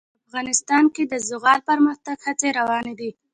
افغانستان کې د زغال د پرمختګ هڅې روانې دي.